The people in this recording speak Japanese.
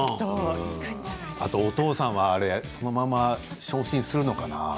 お父さんはそのまま昇進するのかな？